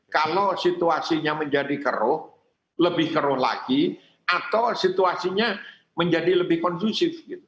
kalau situasinya menjadi keruh lebih keruh lagi atau situasinya menjadi lebih kondusif